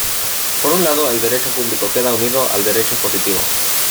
Por un lado, el derecho público queda unido al derecho positivo.